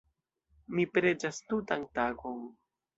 Mi preĝas tutan tagon.